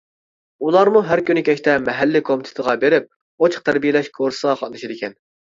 ئۇلارمۇ ھەر كۈنى كەچتە مەھەللە كومىتېتىغا بېرىپ «ئۇچۇق تەربىيەلەش» كۇرسىغا قاتنىشىدىكەن.